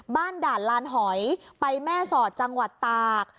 ด่านลานหอยไปแม่สอดจังหวัดตาก